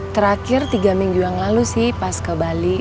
terakhir tiga minggu yang lalu sih pas ke bali